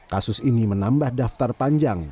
kasus ini menambah daftar panjang